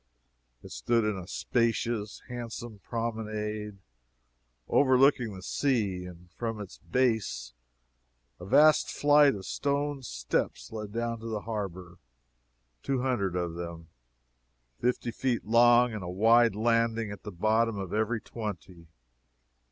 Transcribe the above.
It stood in a spacious, handsome promenade, overlooking the sea, and from its base a vast flight of stone steps led down to the harbor two hundred of them, fifty feet long, and a wide landing at the bottom of every twenty.